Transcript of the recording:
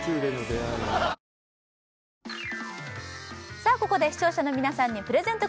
さあここで視聴者の皆さんにプレゼント